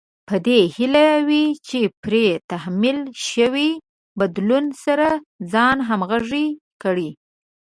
په دې هيله وي چې پرې تحمیل شوي بدلون سره ځان همغږی کړي.